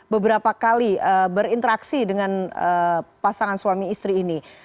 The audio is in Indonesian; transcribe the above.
beberapa kali berinteraksi dengan pasangan suami istri ini